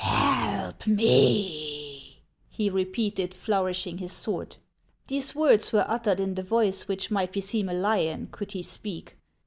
" Help me !" he repeated, flourishing his sword. These words were uttered in the voice which might beseem a lion, could he speak.